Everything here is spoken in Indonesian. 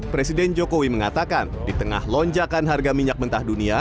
presiden jokowi mengatakan di tengah lonjakan harga minyak mentah dunia